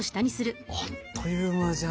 あっという間じゃん。